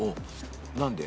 何で？